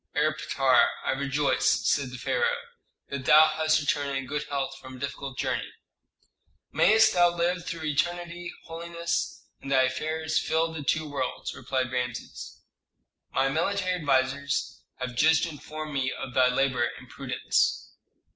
"Erpatr, I rejoice," said the pharaoh, "that thou hast returned in good health from a difficult journey." "Mayst thou live through eternity, holiness, and thy affairs fill the two worlds!" replied Rameses. "My military advisers have just informed me of thy labor and prudence."